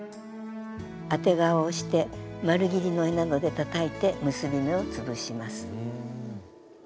当て革をして丸ぎりの柄などでたたいて結び目をつぶします。